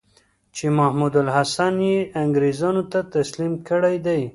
چې محمودالحسن یې انګرېزانو ته تسلیم کړی دی.